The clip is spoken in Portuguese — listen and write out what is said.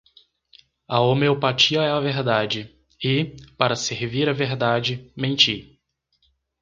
a homeopatia é a verdade, e, para servir à verdade, menti;